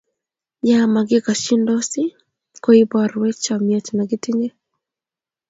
ya makikashindosi ko ibarwech chamiet ne kitinye